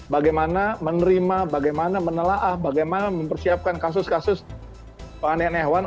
bagaimana menerima bagaimana menelaah bagaimana mempersiapkan kasus kasus penganiayaan hewan